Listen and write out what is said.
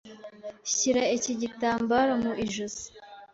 Shyira iki gitambaro mu ijosi.